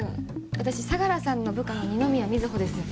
私相良さんの部下の二宮瑞穂です。